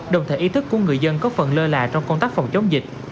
đồng thời ý thức của người dân có phần lơ là trong công tác phòng chống dịch